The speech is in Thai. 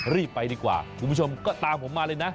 รีบไปดีกว่าคุณผู้ชมก็ตามผมมาเลยนะ